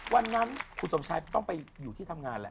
วันนั้นคุณสมชายต้องไปอยู่ที่ทำงานแหละ